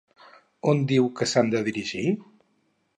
On diu que s'han de dirigir?